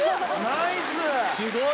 ナイス！